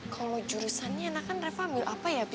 kalo jurusannya enak kan reva ambil apa ya pi